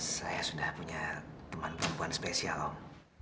saya sudah punya teman perempuan spesial om